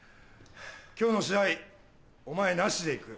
今日の試合お前なしでいく。